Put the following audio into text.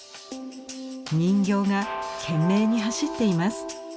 人形が懸命に走っています。